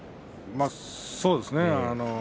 そうですね。